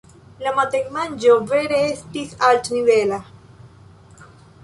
La matenmanĝo vere estis altnivela.